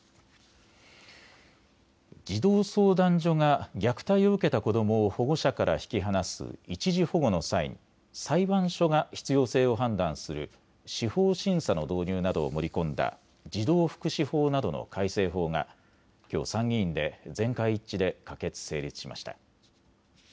児童相談所が虐待を受けた子どもを保護者から引き離す一時保護の際に裁判所が必要性を判断する司法審査の導入などを盛り込んだ児童福祉法などの改正法がきょう参議院で全会一致で可決・成立しました。